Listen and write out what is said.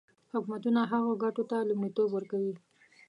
حکومتونه هغو ګټو ته لومړیتوب ورکوي.